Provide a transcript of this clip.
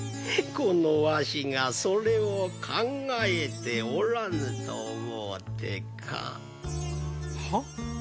このわしがそれを考えておらぬと思うてか。は？